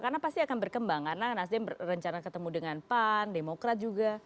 karena pasti akan berkembang karena nasdeh rencana ketemu dengan pan demokrat juga